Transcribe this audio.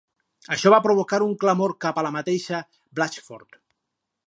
Això va provocar un clamor cap a la mateixa Blatchfort.